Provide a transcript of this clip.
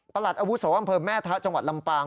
ประหลัดอาวุศวันอำเภอแม่ทะจังหวัดลำปาง